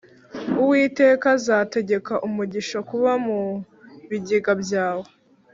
uwiteka azategeka umugisha kuba mu bigega byawe